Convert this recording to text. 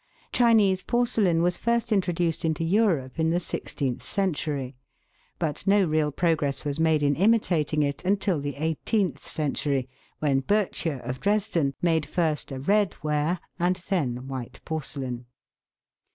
Chinese porcelain was first introduced into Europe in the sixteenth century, but no real progress was made in imitating it until the eighteenth century, when Bottcher, of Dresden, made first a red ware, and then white porcelain.